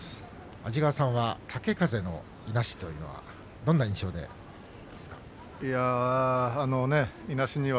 安治川さんは豪風のいなしというのはどんな印象でしたか。